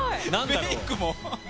メークも。